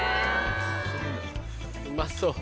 うまそう。